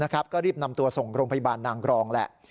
ก็รีบนำตัวส่งโรงพยาบาลนางกรองแหละ